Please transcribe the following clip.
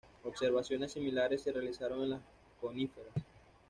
Observaciones similares se realizaron en las coníferas.